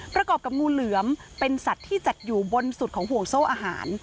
ประกอบกับงูเหลือมเป็นสัตว์ที่จัดอยู่บนสุดของห่วงโซ่อาหาร